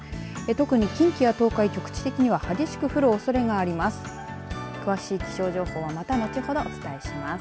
特に近畿や東海、局地的には激しく降るおそれがあります。